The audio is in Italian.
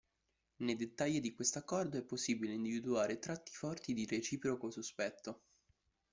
Nei dettagli di questo accordo è possibile individuare tratti forti di reciproco sospetto.